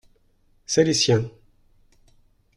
C’est les siens.